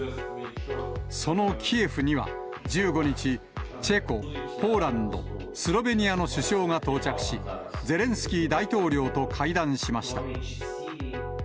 そのキエフには１５日、チェコ、ポーランド、スロベニアの首相が到着し、ゼレンスキー大統領と会談しました。